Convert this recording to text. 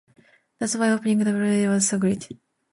That's why opening for Britney was so great.